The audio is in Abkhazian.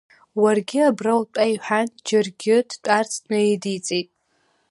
Уаргьы абра утәа, — иҳәан Џыргьы дтәарц наидиҵеит.